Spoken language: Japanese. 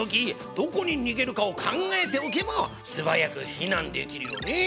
どこににげるかを考えておけばす早くひなんできるよね。